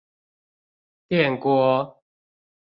電鍋